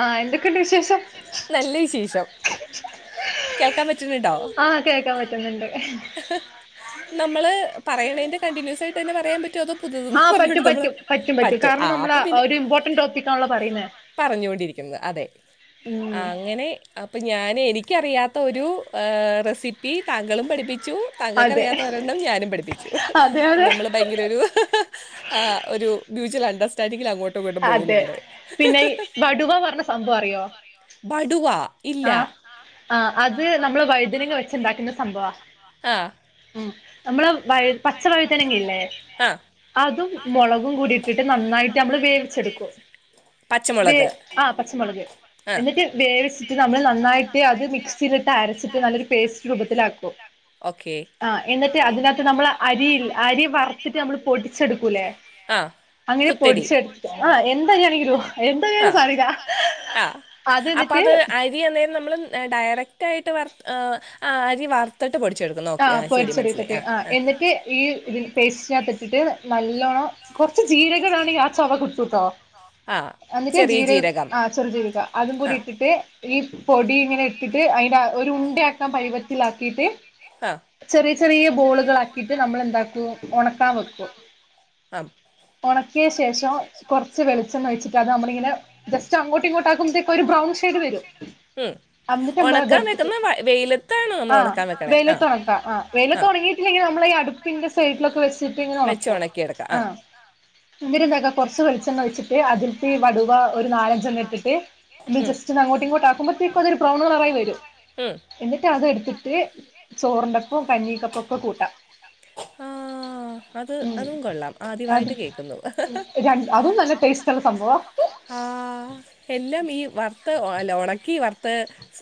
ആഹ് എന്തൊക്കെണ്ട് വിശേഷം? ആഹ് കേക്കാൻ പറ്റുന്നുണ്ട്. നമ്മള് പറയ്ണേന്റെ കണ്ടിന്യൂസ് ആയിട്ട് തന്നെ പറയാൻ പറ്റോ അതോ പുതു പറഞ്ഞാ നമ്മള് പറ്റും ആഹ് അപ്പൊ പിന്നെ പറഞ്ഞുകൊണ്ടിരിക്കുന്നത് അതെ അ ങ്ങനെ അപ്പൊ ഞാൻ എനിക്കറിയാത്ത ഒരു ഏഹ് റെസിപ്പി താങ്കളും പഠിപ്പി ചൂ താങ്കൾക്ക് അറിയാത്ത ഒരെണ്ണം ഞാനും പഠിപ്പിച്ചു. നമ്മള് ഭയങ്കര ഒരു ഏഹ് ഒരു മ്യൂച്വൽ അണ്ടർസ്റ്റാൻഡിങ്ങിൽ അങ്ങോട്ട് അതെ. പിന്നെ ഈ വടുവ പറഞ്ഞ സംഭവം അറിയോ ബടുവാ ആഹ് ആഹ് അത് നമ്മള് വഴുതനങ്ങ വെച്ചുണ്ടാക്കുന്ന സംഭവാ ആഹ് ഉം നമ്മള് വഴു പച്ച വഴുതനങ്ങ ഇല്ലേ അതും മുളകും കൂടി ഇട്ടിട്ട് നന്നായിട്ട് നമ്മള് വേവിച്ചെടുക്കും വേ ആഹ് പച്ചമൊളക് എന്നിട്ട് വേവിച്ചിട്ട് നമ്മൾ നന്നായിട്ട് അത് മിക്സിയിലിട്ട് അരച്ചിട്ട് നല്ലൊരു പേസ്റ്റ് രൂപത്തിലാക്കും ഓക്കേ ആഹ് എന്നിട്ട് അതിനകത്ത് നമ്മൾ അരിയിൽ അരി വറുത്തിട്ട് നമ്മള് പൊടിച്ചെടുക്കൂല്ലേ അങ്ങനെ പൊടിച്ചെടുത് ആഹ് എന്ത് അരിയാണെങ്കിലും എന്തോ [unintelligible] അത് എന്നിട്ട് രി അന്നേരം നമ്മള് മ് ഡയറക്റ്റായിട്ട് വർത് ഏഹ് ആഹ് അരി വർ ത്ത്ട്ട് പൊടിച്ചെടുക്കുന്നു ഓക്കെ ആഹ് ശരി മനസിലായി ആഹ് ആഹ് ഈ ഇതിന് പേസ്റ്റിനകത്തിട്ടിട്ട് നല്ലോണ്ണം കൊറച്ച് ജീരക ഇടാണെങ്കി ആ ചൊവ കിട്ടുട്ടോ. എന്നിട്ട് ജീരകം ആഹ് ച്ചതും ചെയ്യുക. അതും കൂടി ഇട്ടിട്ട് ഈ പൊടി ഇങ്ങനെ ഇട്ടിട്ട് അയിന്റെ ഒരു ഉണ്ടയാക്കാൻ പരുവ ത്തിലാക്കീട്ട് ഹാ ചെറിയ ചെറിയ ബോളുകൾ ആക്കിട്ട് നമ്മൾ എന്താക്കും ഒണക്കാൻ വെക്കും. ഒണക്കിയ ശേഷം കുറച്ച് വെളിച്ചെണ്ണ ഒഴിച്ച് നമ്മളിങ്ങനെ ജസ്റ്റ് അങ്ങോട്ടും ഇങ്ങോട്ടും ആക്കുമ്പോഴത്തേക്കും ഒരു ബ്രൗൺ ഷേഡ് വരും. ഉം ഒണക്കാൻ വെക്കുന്നത് വെയിലത്താണോ നമ്മൾ ഒണക്കാൻ വെക്കണേ ആഹ് വെക്കാ. ആഹ് വെയിലത്തൊണങ്ങിയിട്ടില്ലങ്കി നമ്മളീ അടുപ്പിന്റെ സൈഡിലൊക്കെ വെച്ചി ട്ടിങ്ങനെ ഒണക്കും. ആഹ് എന്നിട്ട് എന്താക്ക കുറച്ച് വെളിച്ചെണ്ണ ഒഴിച്ചിട്ട് അതിൽക്കീ വടു ഈ ബടുവാ ഒരു നാലഞ്ചണ്ണം ഇട്ടിട്ട് ജസ്റ്റ് ഒന്ന് അങ്ങോട്ടുമിങ്ങോട്ടും ആക്കുമ്പത്തേക്കും അതൊര് ബ്രൗൺകളറായി വരും. ഉം എന്നിട്ട് അതെടുത്തിട്ട് ചോറിൻ്റൊപ്പവും കഞ്ഞീക്കൊപ്പവും ഒക്കെ കൂട്ടാ. ആഹ് അത് അതും കൊള്ളാം ആദ്യമായിട്ട് കേക്കുന്നു. രണ്ട് അതും നല്ല ടേസ്റ്റുള്ള സംഭവാ ആഹ് എല്ലാം ഈ വറുത്ത അല്ല ഒണക്കി വർ ത്ത്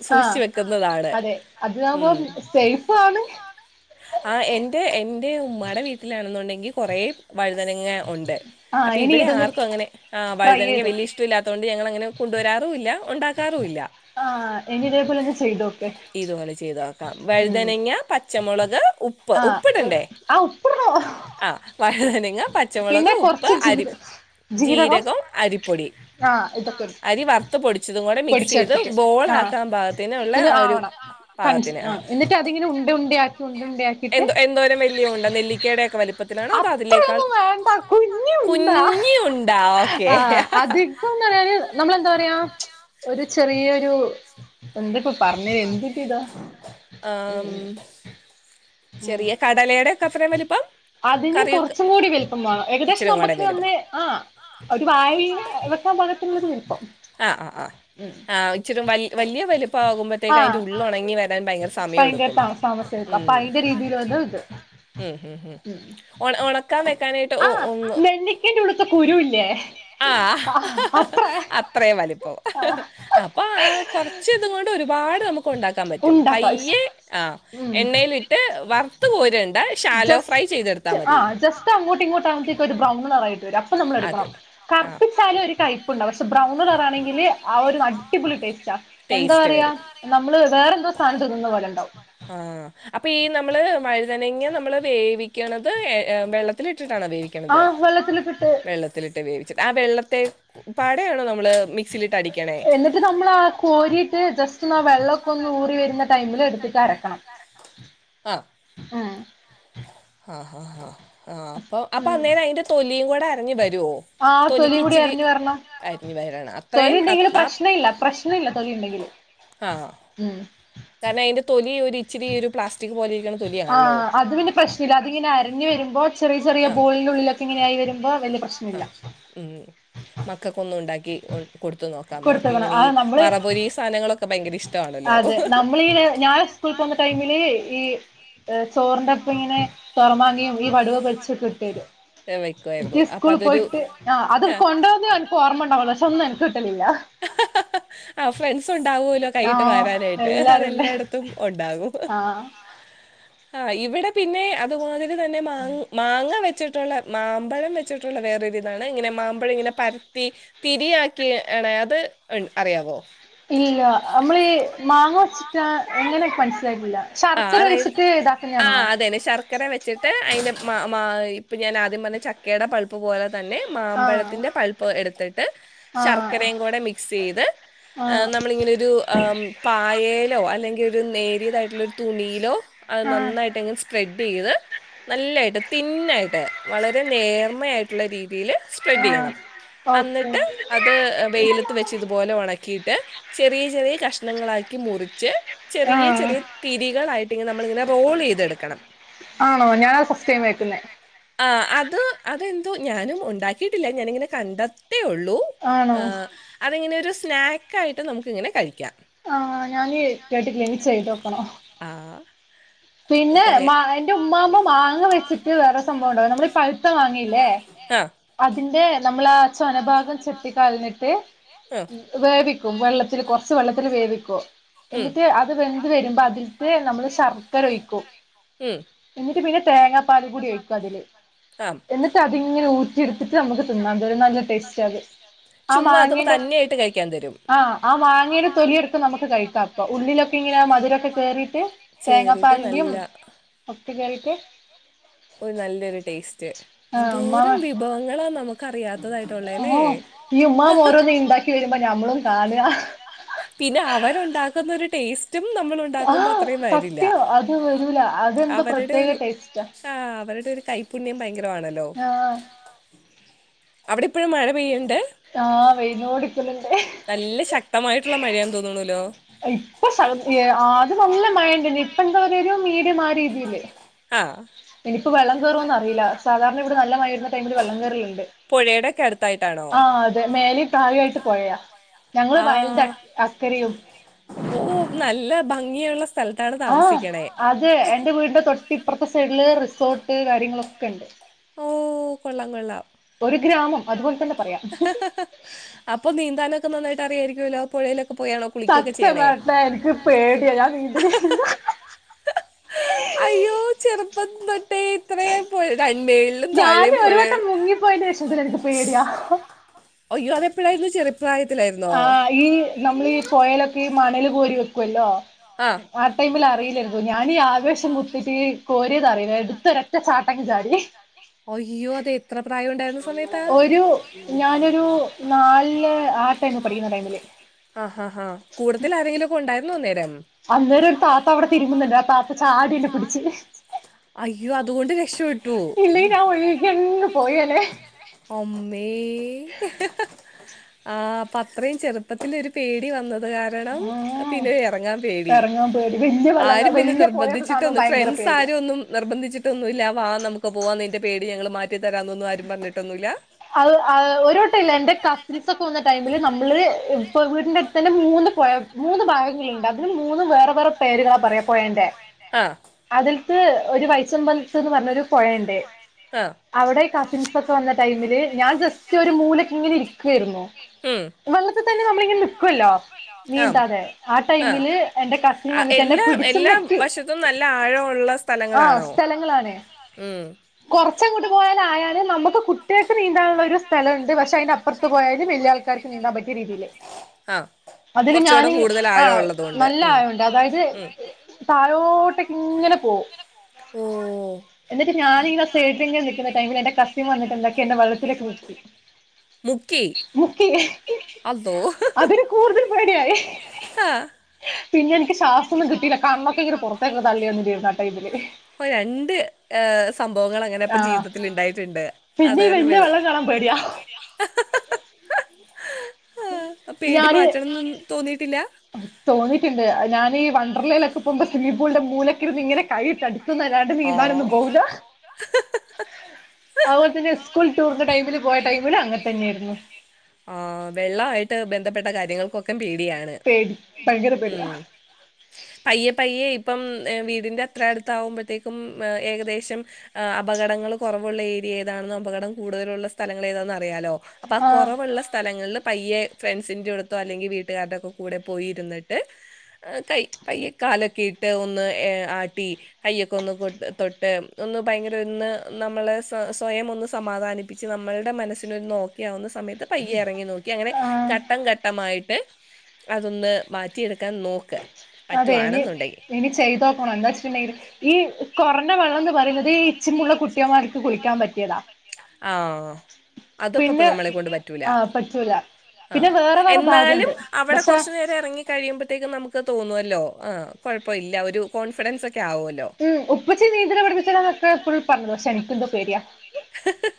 സൂക്ഷിച്ച് വെക്കുന്നതാണ്. അതെ. ഉം സേയ്ഫ് ആണ് ആഹ് എൻ്റെ എൻ്റെ ഉമ്മാടെ വീട്ടിലാണെന്നുണ്ടെങ്കി കൊറേ വഴുതനങ്ങ ഉണ്ട്. അപ്പം ഇവിടെ ആർക്കും അങ്ങനെ ആഹ് വഴുതനങ്ങ വലിയ ഇഷ്ടവില്ലാ ത്തോണ്ട് ഞങ്ങളങ്ങനെ കൊണ്ടുവരാറൂല്ല ഉണ്ടാക്കാറൂല്ല. ആഹ്. ഇനി ഇതേ പോലൊക്കെ ചെയ്തോ. ഇത് പോലെ ചെയ്തോക്കാം. വഴുതനങ്ങ പച്ചമുള ക് ഉപ്പ് ഉപ്പിടണ്ടേ? ആഹ് ഉപ്പ്ടണം. ആഹ് വഴുതന ങ്ങ, പച്ചമുളക്, ഉപ്പ്, അരി ജീരകം അരിപ്പൊടി അരി വറുത്ത പൊടിച്ചതും കൂടെ മിക്സ് ചെയ്ത് ബോളക്കാൻ ഭാഗത്തിനള്ള ആഹ് ഒരു പാകത്തിന് ആഹ് എന്നി്ട്ട് അതിങ്ങനെ ഉണ്ട ഉണ്ട ആക്കി എന്തോ എന്തോരം വലിയ ഉണ്ടോ നെല്ലിക്കയുടെക്കെ വലുപ്പത്തിലണോ അതോ അതിലേക്കാള് കുഞ്ഞിയുണ്ടാ ഓക്കേ ന്താന്ന് പറഞ്ഞല് നമ്മളെന്താ പറയാ ഒരു ചെറിയൊരു എന്തപ്പൊ പറഞ്ഞ എന്താ ത്തിതോ ഉം ഉം അതിന് കുറച്ചും കൂടി വലുപ്പംവേണം ഏകദേശം നമുക്ക് ഒന്ന് ആഹ് ഒരു വായില് വെക്കാൻ പാകത്തിലുള്ളര് വലിപ്പം ആഹ് ആഹ് ആഹ് ആഹ് ഇച്ചിരി വ വലിയ വലുപ്പമാകുമ്പോഴത്തേക്ക് അതിന്റെ ഉള്ള് ഉണങ്ങി വരാൻ ഭയങ്കര സമയ എടുക്കും [unintelligible] അപ്പൊ അതിന്റെ രീതിയിലൊണ്ട് ഇത് ഉം ഉം ഉം ഒണ ഒണ ആ നെല്ലിക്കന്റെ ഇടുത്തെ കുരു ഇല്ലേ ആഹ് ഹ ഹ അത്രയും വലിപ്പം അപ്പൊ ആഹ് കൊറ ക്ഷേ ഇതും കൊണ്ട് ഒരുപാട് നമുക്ക് ഉണ്ടാക്കാൻ പറ്റും പയ്യെ ആഹ് എണ്ണയിലിട്ട് വറു ത്ത് കോരണ്ട ശാലോ ഫ്രൈ ചെയ്തെടുത്താ മതി ഇ അങ്ങോട്ടും ഇങ്ങോട്ട് ആകുമ്പത്തേക്ക് ഒരു ബ്രൗൺ നിറ ആയിട്ട് വരും അപ്പ നമ്മള് എടുക്കണം കറപ്പിച്ചാലു ഒരു ക പ്പുണ്ട് പക്ഷെ ബ്രൗൺ നിറാണെങ്കിൽ ആ ഒരു അടിപൊളി ടേസ്റ്റാ എന്താ പറയാ നമ്മള് വേറെ എന്തോ സാധനം തിന്നത് പോലണ്ടാവും ആഹ അപ്പൊ ഈ നമ്മള് വഴുതനങ്ങ നമ്മള് വേവിക്കണത് ഏഹ് വെള്ള ലിട്ടിട്ടാണ് വേവിക്കുന്നത് വെള്ളത്തിലിട്ട് വേവിച്ചിട്ട് ആ വെള്ളത്തെ പാടയാണോ നമ്മള് മിക്സിയിലിട്ട് അടിക്കണേ ത് നമ്മൾ ആ കോരിട്ട് ജസ്റ്റ്ന്ന് വെള്ളമൊക്കെ ഒന്ന് ഊറി വരുന്ന ടൈമിൽ എടുത്തിട്ട് അരക്കണം ആഹ് ആഹ് ഹാ ഹാ ആഹ് അപ്പം അപ്പൊ അന്നേരം അതിന്റെ തൊലിയും കൂടെ അരഞ്ഞു വരുമോ ആഹ് തൊലിയും കൂടി അരഞ്ഞു വരണം തൊലി ഉണ്ടെങ്കില് പ്രശ്ന ഇല്ല പ്രശ്ന ഇല്ല തൊലി ഉണ്ടെങ്കിലും ആഹ് ആഹ് ഉം കാരണം അതിന്റെ തൊലി ഒരു ഇച്ചിരി ഒരു പ്ലാസ്റ്റക് പോല ഇരിക്കണം ആഹ് അത് പിന്നെ പ്രശ്നില്ല അതിങ്ങനെ അരഞ്ഞു വരുമ്പോ ചെറിയ ചെറിയ ബോളി ഉള്ളിലൊക്കെ ഇങ്ങനായി വരുമ്പോ വ ആഹ് ഉം മക്കൾക്ക ഒന്നും ഉണ്ടാക്കി കൊടുത്തു നോക്കാം [unintelligible] ഇങ്ങനെ ഈ വറപൊരി സാധനങ്ങളൊക്കെ ഭയങ്കര ഇഷ്ടമാണല്ലോ നമ്മളീ ഞാൻ സ്കൂള പോകുന്ന ടൈമില് ഈ ചോറിന്റെപ്പ ഇങ്ങനെ തുറമാനയും ഈ വടുവ് വെച്ച് കിട്ടിത് സ്കൂളിൽ പോയിട്ട് ആ അത് കൊണ്ടോന്ന എനിക്ക് ഓർമ്മ ഉണ്ടാവുള്ള പക്ഷെ ഒന്നും എനക്ക് കിട്ടലില്ല [inaudible] ആ ഫ്രണ്ട്സ് ഉണ്ടാവുല്ലോ കൈട്ട് വരാനായിട്ട് അതെല്ലായിടത്തും ഉണ്ടാവും ആഹ് ആഹ് ഇവിടെ പിന്നെ അതുമാതിരി തന്നെ മാ മാങ്ങ വെച്ചിട്ടുള്ള മാമ്പഴം വെച്ചിട്ടുള്ള വേറൊരിതാണ് ഇങ്ങനെ മാമ്പഴം ഇങ്ങനെ പരത്തി തിരിയാക്കി എണ അത് ആഹ് അറിയാവോ ഇല്ലില്ല നമ്മളി മാങ്ങ വെച്ച് ട്ട് എങ്ങനെ എനിക്ക് മനസ്സിലായിട്ടില്ല ശർക്കര ഒഴിച്ചിട്ട് ഇതാക്കുന്നണോ ക്കര വെച്ചിട്ട് അതിൻ്റെ മാ മാ ഇപ്പം ഞാൻ ആദ്യം പറഞ്ഞ ച ക്കടെ പൾപ്പ് പോലെ തന്നെ മാമ്പഴത്തിന്റെ പളൾപ്പ് എടുത്തിട്ട് ശർക്കരയും കൂടെ മിക്സ് ചെയ്ത് നമ്മളിങ്ങനെ ഒരു ആഹ് പായലോ അല്ലെങ്കിൽ ഒരു നേരിയതായിട്ടുള്ള ഒരു തുണിയിലോ അത് നന്നായിട്ട് ഇങ്ങനെ സ്പ്രെഡ് ചെയ്ത് നല്ലായിട്ട് തിന്നായിട്ട് വളരെ നേർമയായിട്ട്ള്ള രീതില് സ്പ്രെഡ് യ്യണം. അന്നിട്ട് അത് വെയിലത്ത് വെച്ച് ഇതുപോലെ ഉണക്കിയിട്ട് ചെറിയ ചെറിയ കഷ്ണങ്ങളാക്കി മുറിച്ച് ചെറിയ ചെറിയ തീരികളായിട്ട് ഇങ്ങ് നമ്മളിങ്ങനെ റോള് യ്തെടുക്കണം. ആഹ് അത് അതെന്തോ ഞാനും ഉണ്ടാക്കിയിട്ടില്ല ഞാനിങ്ങനെ കണ്ടത്തേയുള്ളൂ. ആഹ് അതിങ്ങനെ ഒരു സ്നാക്ക് ആയിട്ട് നമ്മുക്കിങ്ങനെ കഴിക്കാം. ആ ഞാൻ കേട്ടിട്ടില്ല. ഇനിചെയ്ത് നോക്കണം. ആഹ് പിന്നെ മാ എന്റെ ഉമ്മാമ്മ മാങ്ങ വെച്ചിട്ട് വേറെ സംഭവം ഉണ്ടാവും. നമ്മൾ പഴ ട്ട് വാങ്ങില്ലേ അതിന്റെ നമ്മൾ ആ ചെനഭാഗം ചെത്തി കളഞ്ഞിട്ട് വേവിക്കും വെള്ളത്തിൽ കുറച്ച് വെള്ളത്തില് വേവിക്കും. എന്നിട്ട് അത് വെന്ത് വരുമ്പോ അതിലിട്ട് നമ്മള് ശർ ശർക്കര ഒഴിക്കൂ എന്നിട്ട് പിന്നെ തേങ്ങാപ്പാലു കൂടി ഒഴിക്കുംഅതില്. എന്നി അത്ങ്ങനെ ഊറ്റിെടുത്തിട്ട് നമുക്ക് തിന്നാം അത നല്ല ടേസ്റ്റ് അത് ചുമ്മാ അത് തന്നായിട്ട് കഴിക്കും ആഹ് ആ മാങ്ങയുടെ തൊലിയെടുത്ത് നമ്മുക്ക് കഴിക്കാം അപ്പം. ഉള്ളിലൊക്കെ ഇങ്ങനെ മധുരൊക്കെ കേറിയിട്ട് ച്ചേറി വണ്ടിയും ഒത്തു കേറിട്ട് ഒരു നല്ലൊരു ടേസ്റ്റ്. ഓ ഈ ഉമ്മാമ്മ ഓരോന്ന് ഉണ്ടാക്കി വരുമ്പോ ഞമ്മളും കാണ. പിന്നെ അവരുണ്ടാക്കുന്ന ഒരു ടേസ്റ്റും നമ്മൾ ഉ ണ്ടാക്കുമ്പോ അത്രയും വരില്ല. അവരുടെ ഒരു ആഹ് അവരുടെ ഒരു കൈ പുണ്യം ഭയങ്കരമാണല്ലോ. അവിടെ ഇപ്പോഴും മഴ പെയ്യുണ്ട്? ആഹ് വെയിലോടിക്കലുണ്ട്. നല്ല ശക്തമായിട്ടുള്ള മഴയാണെന്ന് തോന്നുണുല്ലോ? ഇപ്പൊ ശക്തി ആദ്യം നല്ല മഴയുണ്ടിനു ഇപ്പോ എന്തോ ഒരു മീഡിയം ആ രീതിയില്. ആഹ് ഇനി ഇപ്പം വെള്ളം കയറോന്ന് അറിയില്ല സാധാരണ ഇവിടെ നല്ല മഴയുള്ള ടൈമില് വെള്ളം കേറലുണ്ട്. ആ മേലെ താഴെ ട്ട് പുഴയാ ഞങ്ങള് വയലിന്റെ അക്കരയും- നല്ല ഭംഗിയുള്ള സ്ഥ അ അ തെഎന്റെ വീടിന്റെ തൊട്ടിപ്പുറത്തെ സൈഡില് റിസോർട്ട് കാര്യങ്ങളൊക്കെ ഉണ്ട്. ഓ കൊള്ളാം കൊള്ളാം. ഒരു ഗ്രാമം അതുപോലെ തന്നെ പറയാം. അപ്പൊ നീന്താനൊക്കെ നന്നായിട്ട് അറിയായിരിക്കുല്ലോ പുഴയിലൊക്കെ? സത്യം പറഞ്ഞാൽ എനിക്ക് പേടിയാ ഞാൻ നീന്തലില്ല. അയ്യോ ചെറ റുപ്പം തൊട്ടേ ഇത്രയും പുഴ. രണ്ട് മേളിലും താഴെയും പുഴയാണ്. അയ്യോ അത് എപ്പഴായിരുന്നു ചെറുപ്രായ ആഹ് ഈ നമ്മൾ ഈ പുഴയിലൊക്കെ ഈ മണൽ കോരി വെക്കുവല്ലോ? ആഹ് ആർക്കെങ്കിലും അറിയില്ലായിരുന്നു. ഞാനീ ഈ ആവേശം കുടിട്ട് കോരയത് അറിയില്ല എടുത്ത് ഒറ്റരു ചാട്ടം അങ്ങ് ചാടി. അയ്യോ അത് എത്ര പ്രായം ഉണ്ടായിരുന്ന സമയത്താ? ഞാനൊരു നലില് ആ ടൈമില് പഠിക്കുന്ന ടൈമില്. ആഹ് ഹാ ഹാ കൂടുതൽ ആരെങ്കിലുഒക്കെ ഉണ്ടായിരുന്നോഅന്നേരം? അന്നേരം ഒരു താത്ത അവിടെ തിരുമുന്നുണ്ട് ആഹ് താത്ത ചാടി എന്നെ പിടിച്ചിന്ന് അയ്യോ അതോണ്ട് രക്ഷപ്പെട്ടു ഇല്ലേ ഞാൻ [unintelligible] യാങ്ങ് പോയല്ലെ അമ്മേ [unintelligible] ആഹ് അപ്പൊ അത്രയും ചെറുപ്പത്തില്ല് ഒരു പേടി വന്നത് കാര് രണം പിന്നെ എറങ്ങാൻ പേടി ആരും പിന്നെ നിർബന്ധിച്ചിട്ടൊന്നും ഫ്രിണ്ട്സ് ആരു ഒന്നും നിർബന്ധിച്ചിട്ടൊന്നുല്ല വാ നമുക്ക് പോവാം നിന്റെ പേടി ഞങ്ങൾ മാറ്റിത്തരാന്നൊന്നും ആരും പറഞ്ഞട്ടൊന്നുല്ല ആഹ് അത് ഒരുവട്ടം ഇല്ലേ എന്റെ കസിൻസ് ഓക്കേ വന്നാ ടൈമില് നമ്മള് ഇപ്പൊ വീടിന്റെ അടുത്ത് തന്നെ മൂന്ന് പൊഴ മൂന്ന് ഭാഗങ്ങളുണ്ട് അതിന് മൂന്ന് വേറെ വേറെ പേരുകളാ പറയാ പൊഴേന്റെ ആഹ് അതിൽത്ത് ഒരു വൈസമ്പൽത്ത്ന്ന് പറഞ്ഞ ഒരു പോഴെണ്ട് അവിടെ കസിൻസ് സൊക്കെ വന്ന ടൈമില് ഞാൻ ജസ്റ്റ് ഒരു മൂലക്ക് ഇങ്ങനെ ഇരിക്കുവായിരുന്നു ഉം വെള്ളത്തിൽ തന്നെ നമ്മള് ഇങ്ങനെ നിക്കുവല്ലോ നീന്താതെ ആ ടൈമില് എന്റെ കസിൻ വന്നിട്ട് എന്നെ പിടിച്ച് മുക്കി ആഹ് സ്ഥലങ്ങളാണ് ഉം കൊറച്ചങ്ങോട്ട് പോയാലായാണ് നമുക്ക് കുട്ടിയാക്ക് നീന്താനുള്ള ഒരു സ്ഥലംണ്ട് പക്ഷേ ട്ടയിന്റെ അപ്പർത്ത് പോയാല് വല്യെ ആൾക്കർക്ക് നീന്താൻ പറ്റിയ രീതിയില് അതില് ഞാന് ആഹ് നല്ല ആയോണ്ട് അതായത് തഴോട്ടേക്ക് ഇങ്ങനെ പോവും എന്നിട്ട് ഞാനിങ്ങനെ സെയ്‌ഡിൽ ഇങ്ങനെ നിൽക്കുന്ന ടൈമിൽ എന്റെ കസിൻ വന്നിട്ട് എന്താ കെന്നെ വെള്ളത്തിലേക്ക് മുക്കി മുക്കി അതില് കൂടുതൽ പേടിയായി ഹാ പിന്നെ എനിക്ക് ശ്വാസൊന്നും കിട്ടില്ല കണ്ണൊക്കെ എങ്ങനെ പുറത്തേക്ക് തള്ളിവന്നിറ്റ്ന്നു ആ ടൈമില് പ്പൊ രണ്ട് എഹ് സംഭവങ്ങൾ അങ്ങനെ പ്പൊ ജീവിതത്തിൽ ഇണ്ടായിട്ട്ണ്ട് തെ അന്ന് വെള്ള [unintelligible] ഞാന് തോന്നിട്ട്ണ്ട് ഞാനീ ഈ വണ്ടർലേലൊക്കെ പോകുമ്പോ സ്വിമി പൂളിന്റെ മൂലക്ക് ഇരിന്നിങ്ങനെ കൈയിട്ടടി ടിക്കും ന്നല്ലാണ്ടെ നീന്താനൊന്നും പോവുല്ല അത്പോലെ തന്നെ സ്കൂൾ ടൂർന്റെ ടൈ ഷിപ്പില് പോയ ടൈമില് അങ്ങനെ തന്നെര്ന്നു ആഹ് വെള്ളായിട്ട് ബന്ധപ്പെട്ട കാര്യങ്ങൾക്കൊക്കേം പേടിയാണ് പേടി ഭയങ്കര പേടിയാ പയ്യെ പയ്യെ ഇപ്പം വീടിൻന്റെ അത്ര അടുത്താകുമ്പോഴത്തേക്കും ഏകദേശം ഏഹ് അപകടങ്ങൾ കുറവുള്ള ഏരിയ ഏതാണെന്നും അപകടം കൂടുതലുള്ള സ് സ്ഥലങ്ങളേതെന്ന് അറിയാലോ അപ്പൊ ആ കൊറവുള്ള സ്ഥലങ്ങൾള് പയ്യെ ഫ്രണ്ട്സിന്റെ എടുത്തോ അല്ലെങ്കിൽ വീട്ടുകാരുടെക്കെ കൂടെ പോയിരുന്നിട്ട് കൈ കയ്യ് കാലൊക്കെ ഇട്ട് ഒന്ന് ഏഹ് ആട്ടി കൈയ്യൊക്കെ ഒന്ന് കൊ തൊട്ട് ഒന്ന് ബയങ്കര ഒന്ന് നമ്മളെ സൊ സ്വയം ഒന്ന് സമാധാനിപ്പി ച്ച് നമ്മൾടെ മനസ്സിനൊരു ന്നോക്കെ യാവുന്ന സമയത്ത് പയ്യ ഇറങ്ങി നോക്കി അങ്ങനെ ഘട്ടം ഘട്ടമായിട്ട് അതൊന്ന് മാറ്റിയെടുക്കാൻ നോക്കാ അതെ ഇനി ഇനി ചെയ്തോക്കണം എന്താ വെച്ചിട്ടുണ്ടെല് ഈ കൊറഞ്ഞ വെള്ളം എന്ന് പറയുന്നത് ഈ ഇച്ചിമുള്ള കുട്ടിയമാർക്ക് കുളിക്കാൻ പറ്റിയതാ ആവോ അതപ്പൊ പ്പൊ നമ്മളെ കൊണ്ട് പറ്റൂല ആഹ് എന്നാലും അവിടെ കൊറച്ച് നേരം എറങ്ങി കഴിയുമ്പത്തേക്കും നമുക്ക് തോന്നോല്ലോ ആഹ് കൊഴപ്പഇല്ല ഒരു കോൺഫിഡൻസ് ഒക്കെ ആവൊല്ലോ ഉം ഉപ്പച്ചി നീന്തല്ല് പടിപ്പിച്ചെരാന്നൊക്ക എപ്പഴും പറ [unintelligible] പക്ഷെ നികെന്തോ പേടിയാ [unintelligible]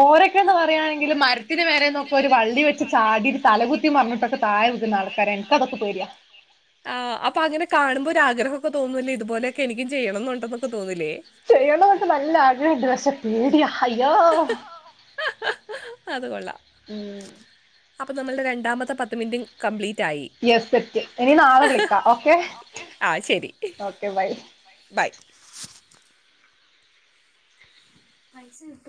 ഓരൊക്കെന്ന് പറയാണെങ്കില് മരത്തിന് മേലെന്നൊ ട്ടൊരു വള്ളി വെച്ച് ചാടിട്ട് തലകുത്തി മറഞ്ഞിട്ടൊക്കെ തായെ വിക്ന്ന ആൾക്കാരാ ഇൻക്കതൊക്കെ പേടിയാ ആഹ് അപ്പങ്ങെനെ കാണുമ്പോ ഒരു ആഗ്രഹൊക്കെ തോന്നുല്ലെ ഇതുപോലോക്കെ എനിക്കും ചെയ്യണം എന്നുണ്ടെന്ന് പ്പ തോന്നൂലെ ചെയ്യണന്നൊക്കെ നല്ല ആഗ്രഹണ്ട് പക്ഷെ പേട്യാ അയ്യോ അത് കൊള്ളാം ഉം അപ്പ നമ്മൾടെ രണ്ടാമത്തെ പത്ത് മിനിറ്റും കംപ്ലീറ്റായി. യാ സെറ്റ് ഇനി നാളെ വിളിക്കാം ഓക്കെ ഓക്കെ ബൈ ബായ് പൈസ കിട്ട്